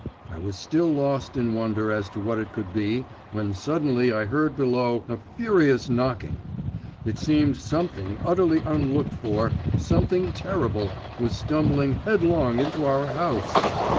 … I was still lost in wonder as to what it could be, when suddenly I heard below a furious knocking. It seemed something utterly unlooked for, something terrible was stumbling headlong into our house.